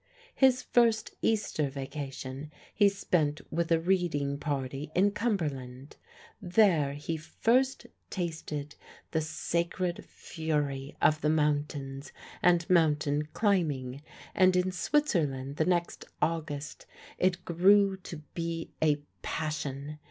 His first Easter vacation he spent with a reading party in Cumberland. There he first tasted the "sacred fury" of the mountains and mountain climbing, and in Switzerland the next August it grew to be a passion.